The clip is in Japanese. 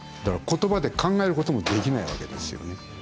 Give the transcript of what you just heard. ことばで考えることもできないわけですよね。